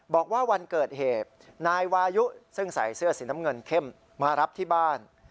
บอกว่าวันเกิดเหตุนายวายุซึ่งใส่เสื้อสีน้ำเงินเข้มมารับที่บ้าน